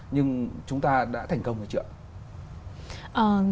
nhưng chúng ta đã thành công cái chuyện